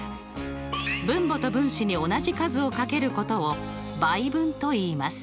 分母と分子に同じ数をかけることを倍分といいます。